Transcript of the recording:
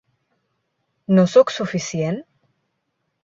No sóc suficient?